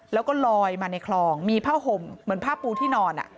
แล้วก็ลอยมาในคลองมีผ้าห่มเหมือนผ้าปูที่นอน